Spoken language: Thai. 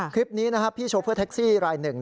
คลิปนี้นะครับพี่โชเฟอร์แท็กซี่รายหนึ่ง